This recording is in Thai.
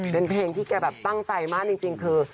เป็นเพลงที่แกแบบตั้งใจมากจริงคือ